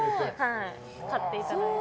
買っていただいて。